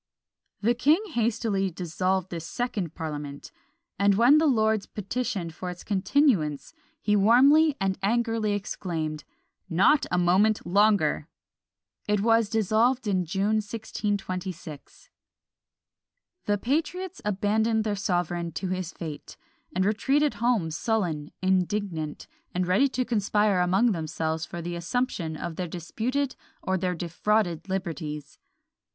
The king hastily dissolved this second parliament; and when the lords petitioned for its continuance, he warmly and angrily exclaimed, "Not a moment longer!" It was dissolved in June, 1626. The patriots abandoned their sovereign to his fate, and retreated home sullen, indignant, and ready to conspire among themselves for the assumption of their disputed or their defrauded liberties.